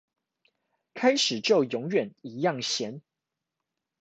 開始就永遠一樣鹹